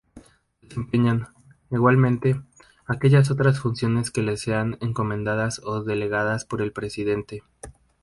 Desempeñan, igualmente, aquellas otras funciones que les sean encomendadas o delegadas por el Presidente.